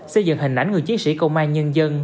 xây dựng hình ảnh người chiến sĩ công an nhân dân